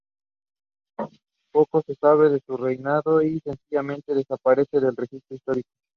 Poco se sabe de su reinado y sencillamente desaparece del registro histórico.